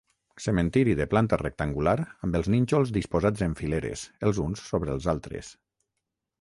Cementiri de planta rectangular amb els nínxols disposats en fileres, els uns sobre els altres.